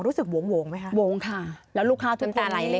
รู้สึกโวงไหมคะโวงค่ะแล้วลูกค้าทุกคน